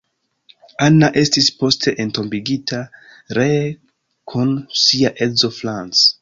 Anna estis poste entombigita ree kun sia edzo Franz.